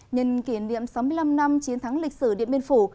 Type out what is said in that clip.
nhân kỷ niệm sáu mươi năm năm chiến thắng lịch sử điện biên phủ